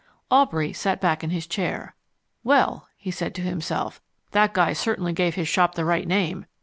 Aubrey sat back in his chair. "Well," he said to himself, "that guy certainly gave his shop the right name.